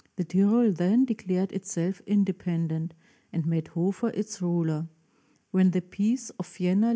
The Tyrol then declared itself independent, and made Hofer its ruler. When the Peace of Vienna.